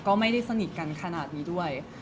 ก็ไม่ได้สนิทกันขนาดนี้ด้วย